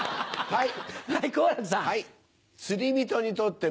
はい。